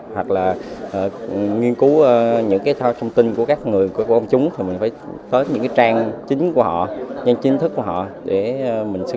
hoặc là nghiên cứu những cái thông tin của các người của công chúng thì mình phải tới những cái trang chính của họ trang chính thức của họ để mình sẽ coi cái đó là chính xác nhất